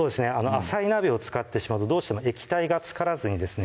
浅い鍋を使ってしまうとどうしても液体がつからずにですね